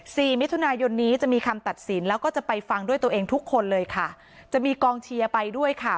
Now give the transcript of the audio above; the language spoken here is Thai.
สี่มิถุนายนนี้จะมีคำตัดสินแล้วก็จะไปฟังด้วยตัวเองทุกคนเลยค่ะจะมีกองเชียร์ไปด้วยค่ะ